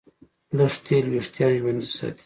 لږ تېل وېښتيان ژوندي ساتي.